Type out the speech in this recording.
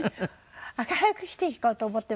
明るく生きていこうと思ってます。